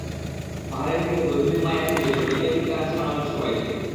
পাহাড়ের বুকে গোধূলির মায়া ছড়িয়ে যেন নিজের দিকে টানছে আমাদের সবাইকে।